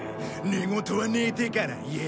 寝言は寝てから言え。